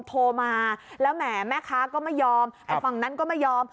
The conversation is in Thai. โทรมาแล้วแหมแม่ค้าก็ไม่ยอมไอ้ฝั่งนั้นก็ไม่ยอม